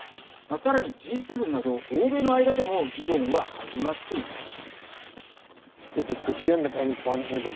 さらにＧ７など、欧米の間でも議論は始まっています。